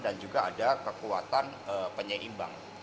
dan juga ada kekuatan penyeimbang